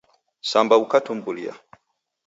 Samba ukatumbulia.